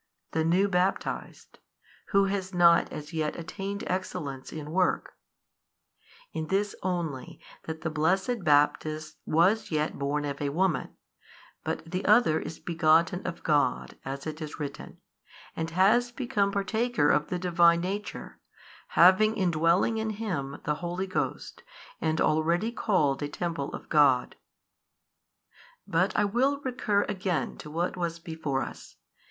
the new baptized, who has not as yet attained excellence in work; in this only that the blessed Baptist was yet born of a woman, but the other is begotten of God as it is written, and has become partaker of the Divine Nature, having indwelling in him the Holy Ghost and already called a temple of God. But I will recur again to what was before us.